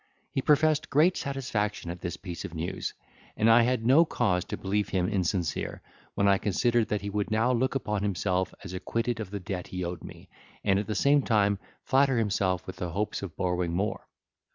He professed great satisfaction at this piece of news; and I had no cause to believe him insincere, when I considered that he would now look upon himself as acquitted of the debt he owed me, and at the same time flatter himself with the hopes of borrowing more.